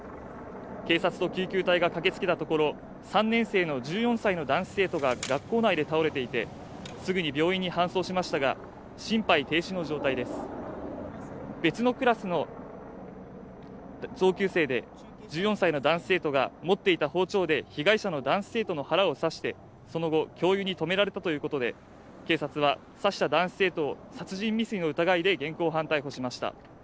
警察と救急隊が駆けつけたところ３年生の１４歳の男子生徒が学校内で倒れていてすぐに病院に搬送しましたが心肺停止の状態です別のクラスの同級生で１４歳の男子生徒が持っていた包丁で被害者の男子生徒の腹を刺してその後教諭に止められたということで警察は刺した男子生徒を殺人未遂の疑いで現行犯逮捕しました